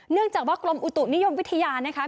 เนื่องจากว่ากรมอุตุนิยมวิทยานะคะ